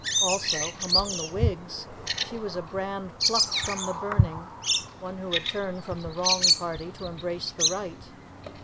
Also, among the Whigs, she was a brand plucked from the burning, one who had turned from the wrong party to embrace the right.